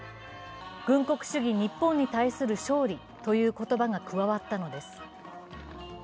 軍国主義日本に対する勝利という言葉が加わったのです。